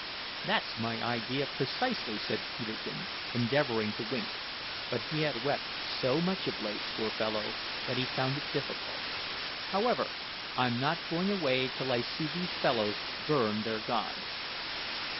"That's my idea precisely," said Peterkin, endeavouring to wink; but he had wept so much of late, poor fellow, that he found it difficult. "However, I'm not going away till I see these fellows burn their gods."